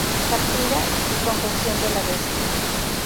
Captura y confesión de la Bestia.